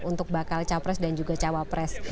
untuk bakal capres dan juga cawapres